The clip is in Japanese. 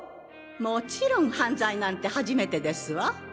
もちろん犯罪なんて初めてですわ。